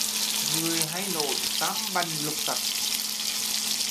Người hay nổi tam bành lục tặc